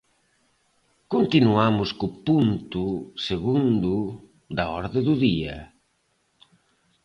Continuamos co punto segundo da orde do día.